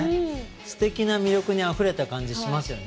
素敵な魅力にあふれた感じしますよね